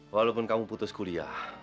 walaupun kamu putus kuliah